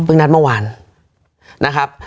นัดเมื่อวานนะครับ